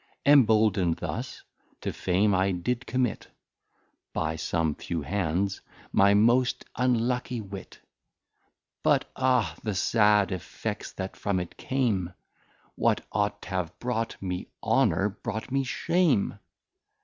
Embolden'd thus, to Fame I did commit, (By some few hands) my most Unlucky Wit. But, ah, the sad effects that from it came! What ought t'have brought me Honour, brought me shame!